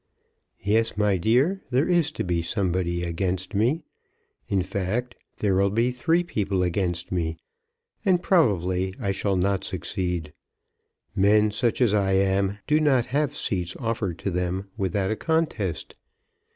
"Yes, my dear; there is to be somebody against me. In fact, there will be three people against me; and probably I shall not succeed. Men such as I am do not have seats offered to them without a contest.